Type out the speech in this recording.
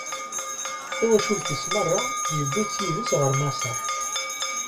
Tawacult-is meṛṛa, iwwi-tt yid-s ɣer Maṣer.